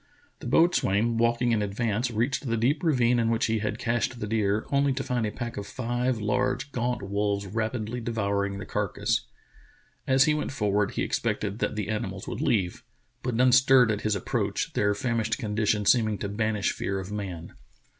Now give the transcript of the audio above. The boatswain walking in advance reached the deep ravine in which he had cached the deer, only to find a pack of five large, gaunt wolves rapidly devouring the carcass. As he went for ward he expected that the animals would leave, but none stirred at his approach, their famished condition seeming to banish fear of man.